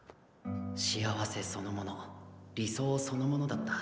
幸せそのもの理想そのものだった。